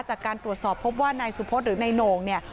จากการตรวจสอบพบว่านายสุพธหรือนายโหน่งเนี่ย